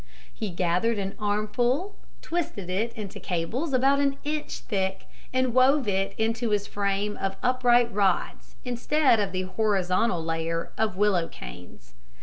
He gathered an armful, twisted it into cables about an inch thick and wove it into his frame of upright rods instead of the horizontal layer of willow canes.